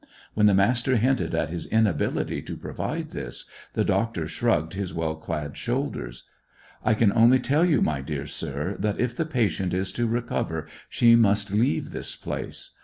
When the Master hinted at his inability to provide this, the doctor shrugged his well clad shoulders. "I can only tell you, my dear sir, that if the patient is to recover she must leave this place.